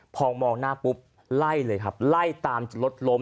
พอมองหน้าปุ๊บไล่เลยครับไล่ตามจนรถล้ม